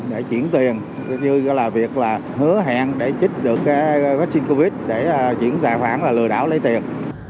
để chuyển tiền như là việc hứa hẹn để chích được vaccine covid để chuyển giải khoản là lừa đảo lấy tiền